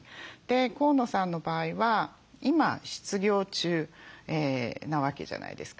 河野さんの場合は今失業中なわけじゃないですか。